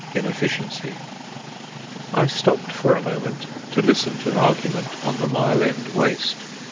INEFFICIENCY I stopped a moment to listen to an argument on the Mile End Waste.